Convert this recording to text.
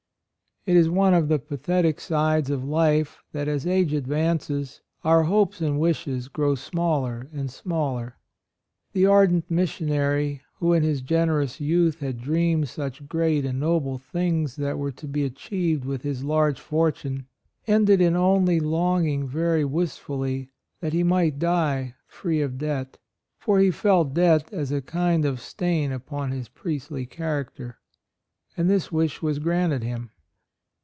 It is one of the pathetic sides of life that as age advances, our hopes and wishes grow smaller and smaller. The ardent missionary, who in his generous youth had dreamed such great and noble things that were to be achieved with his large fortune, ended in only longing very wistfully that he might die free of debt; for he felt debt as a kind of stain upon his priestly character. And this wish was granted him.